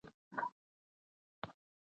ماشومان د لوبو له لارې ذهني چابکوالی ترلاسه کوي.